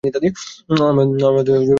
আমাদের কি করতে হবে?